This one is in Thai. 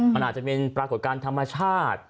มันอาจจะเป็นปรากฏการณ์ธรรมชาติ